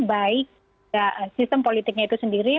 baik sistem politiknya itu sendiri